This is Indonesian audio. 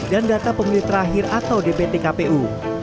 dan data pemilih terakhir atau dptkpu